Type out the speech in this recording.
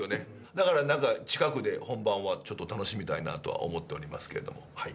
だから、なんか近くで本番はちょっと楽しみたいなとは思っておりますけれども、はい。